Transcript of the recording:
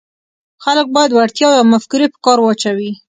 خلک باید وړتیاوې او مفکورې په کار واچوي.